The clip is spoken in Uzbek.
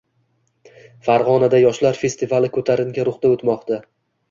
Farg‘onada “Yoshlar festivali” ko‘tarinki ruhda o‘tmoqda